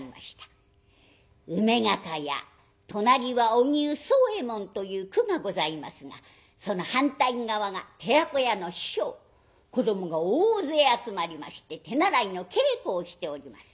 「梅が香や隣は荻生惣右衛門」という句がございますがその反対側が寺子屋の師匠子どもが大勢集まりまして手習いの稽古をしております。